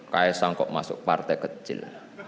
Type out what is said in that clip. saya sangkup masuk partai kecil